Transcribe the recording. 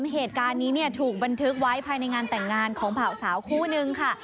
เหตุการณ์นี้ถูกบันทึกไว้ภายในงานแต่งงานของบ่าวสาวคู่นึงค่ะ